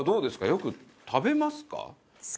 よく食べますか？